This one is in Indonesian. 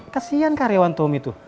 kesian karyawan tommy tuh